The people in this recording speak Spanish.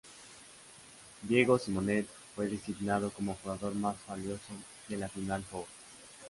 Diego Simonet fue designado como jugador más valioso de la Final Four.